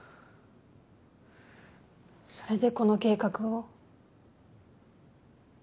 それでこの計画を？